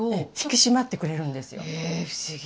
え不思議。